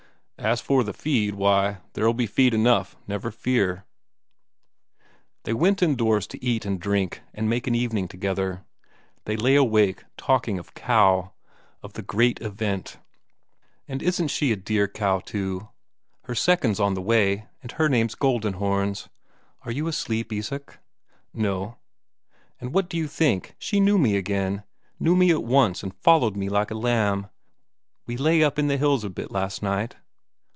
"As for the feed, why, there'll be feed enough, never fear." Then they went indoors to eat and drink and make an evening together. They lay awake talking of Cow; of the great event. "And isn't she a dear cow, too? Her second's on the way. And her name's Goldenhorns. Are you asleep, Isak?" "No." "And what do you think, she knew me again; knew me at once, and followed me like a lamb. We lay up in the hills a bit last night."